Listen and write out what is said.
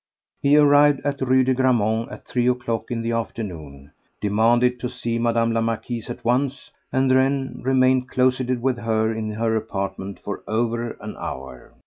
He arrived at Rue de Grammont at three o'clock in the afternoon, demanded to see Mme. la Marquise at once, and then remained closeted with her in her apartment for over an hour.